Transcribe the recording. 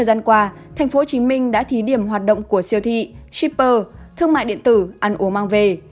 đã thí điểm hoạt động của siêu thị shipper thương mại điện tử ăn uống mang về